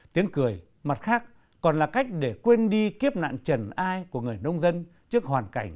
tiếng cười mặt khác còn là cách để quên đi kiếp nạn trần ai của người nông dân trước hoàn cảnh